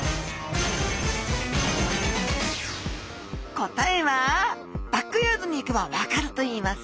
答えはバックヤードに行けば分かるといいます